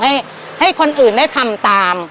ให้ให้คนอื่นได้ทำตาม